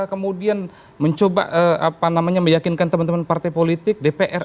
kemudian mencoba meyakinkan teman teman partai politik dpr